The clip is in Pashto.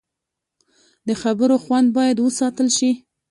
د خبرو خوند باید وساتل شي